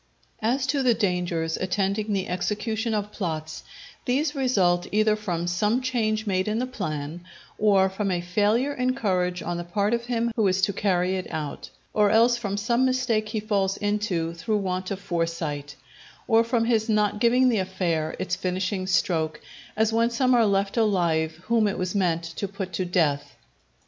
As to the dangers attending the execution of plots, these result either from some change made in the plan, or from a failure in courage on the part of him who is to carry it out; or else from some mistake he falls into through want of foresight, or from his not giving the affair its finishing stroke, as when some are left alive whom it was meant to put to death.